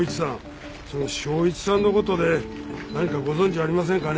その正一さんの事で何かご存じありませんかね？